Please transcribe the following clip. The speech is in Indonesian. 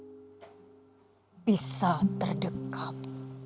hai bisa terdekat